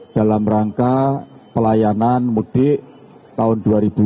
dalam rangka pelayanan mudik tahun dua ribu dua puluh